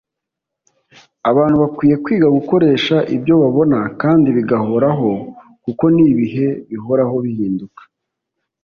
abantu bakwiye kwiga gukoresha ibyo babona kandi bigahoraho kuko n’ibihe bihora bihinduka